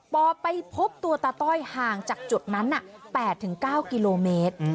พอไปพบตัวตาต้อยห่างจากจุดนั้น๘๙กิโลเมตร